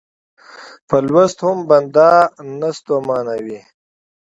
په لوست هم بنده نه ستومانوي.